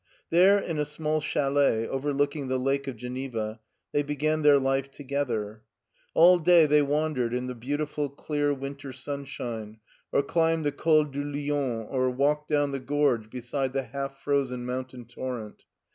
There, in a small chalet overlooking the lake of Geneva, they began their life together. All day they wandered in the beautiful clear winter sunshine, or climbed the Col du Lion, or walked down the gorge beside the half frozen mountain torrent.